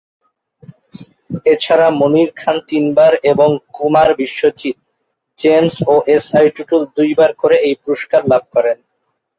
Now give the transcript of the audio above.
এছাড়া মনির খান তিনবার এবং কুমার বিশ্বজিৎ, জেমস ও এস আই টুটুল দুইবার করে এই পুরস্কার লাভ করেন।